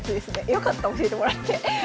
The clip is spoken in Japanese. よかった教えてもらって。